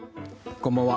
こんばんは。